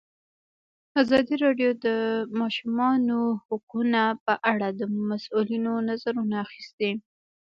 ازادي راډیو د د ماشومانو حقونه په اړه د مسؤلینو نظرونه اخیستي.